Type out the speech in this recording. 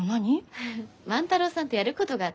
フフッ万太郎さんとやることがあって。